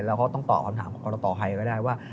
แล้วก็ต้องตอบคำถามของคุณต่อให้ได้ว่า